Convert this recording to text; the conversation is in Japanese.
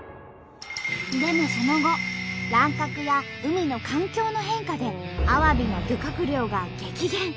でもその後乱獲や海の環境の変化でアワビの漁獲量が激減。